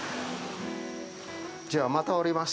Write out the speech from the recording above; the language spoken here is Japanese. じゃあ、またおります。